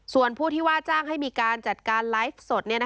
ส่วนผู้ที่ว่าจ้างให้มีการจัดการไลฟ์สด